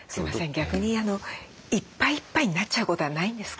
逆にいっぱいいっぱいになっちゃうことはないんですか？